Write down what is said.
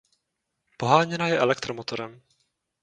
Poháněna je elektromotorem.